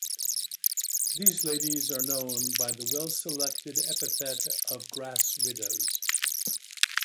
These ladies are known by the well-selected epithet of grass widows.